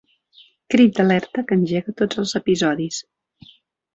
Crit d'alerta que engega tots els episodis.